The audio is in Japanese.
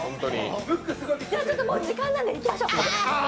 もう時間なんでいきましょう。